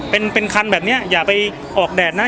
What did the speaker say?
เป็นคันแบบนี้อย่าไปออกแดดนะ